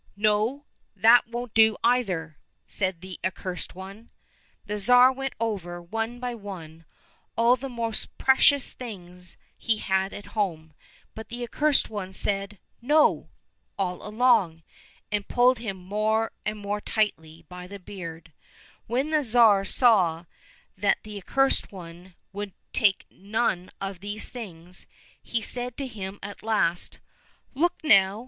"—" No, that won't do either !" said the Ac cursed One. The Tsar went over, one by one, all the most precious things he had at home, but the Accursed One said " No !" all along, and pulled him more and more tightly by the beard. When the Tsar saw that the Accursed One would take none of all these things, he said to him at last, " Look now